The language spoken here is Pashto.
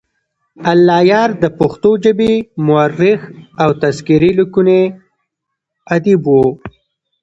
الله یار دپښتو ژبې مؤرخ او تذکرې لیکونی ادیب وو.